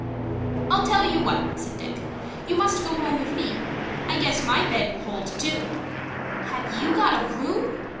"I'll tell you what," said Dick, "you must go home with me. I guess my bed will hold two." "Have you got a room?"